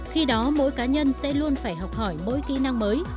khi đó mỗi cá nhân sẽ luôn phải học hỏi mỗi kỹ năng mới